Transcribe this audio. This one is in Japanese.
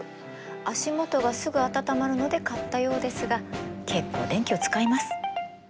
足元がすぐ暖まるので買ったようですが結構電気を使います。